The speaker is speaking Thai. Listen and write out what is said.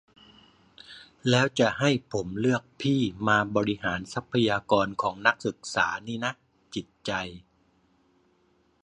แล้วจะให้ผมเลือกพี่มาบริหารทรัพยากรของนักศึกษานี่นะ จิตใจ